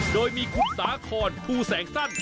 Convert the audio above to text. โดยมีคุณสาคอนภูแสงสั้น